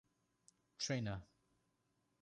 ޓްރެއިނަރ